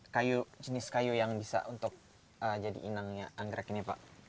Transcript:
kayu jenis kayu yang bisa untuk jadi inangnya anggrek ini pak